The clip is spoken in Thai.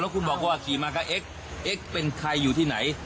แล้วคุณบอกว่าขี่มาก็เอ็กซ์เป็นใครอยู่ที่ไหน